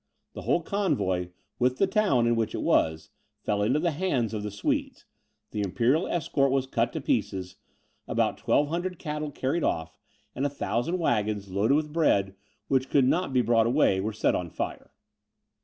The whole convoy, with the town in which it was, fell into the hands of the Swedes; the Imperial escort was cut to pieces; about 1,200 cattle carried off; and a thousand waggons, loaded with bread, which could not be brought away, were set on fire.